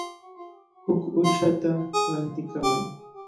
Huk uyshata rantikamay.